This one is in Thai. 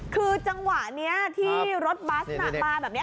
คือจังหวะเนี่ยที่รถบัสนะมาแบบเนี้ย